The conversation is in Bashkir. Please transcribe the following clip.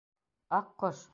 Аҡҡош.